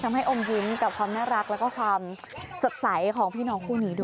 อมยิ้มกับความน่ารักแล้วก็ความสดใสของพี่น้องคู่นี้ด้วย